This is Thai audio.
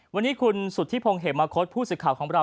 วันนี้คุณสุธิพงศ์เหมมะคดผู้สื่อข่าวของเรา